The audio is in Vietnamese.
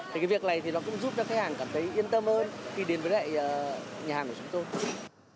thì cái việc này thì nó cũng giúp cho khách hàng cảm thấy yên tâm hơn khi đến với lại nhà hàng của chúng tôi